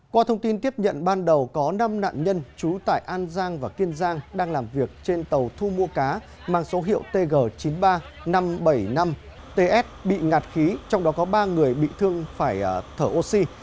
qua thông tin tiếp nhận ban đầu có năm nạn nhân trú tại an giang và kiên giang đang làm việc trên tàu thu mua cá mang số hiệu tg chín mươi ba năm trăm bảy mươi năm ts bị ngạt khí trong đó có ba người bị thương phải thở oxy